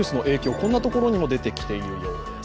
こんなところにも出てきているようです。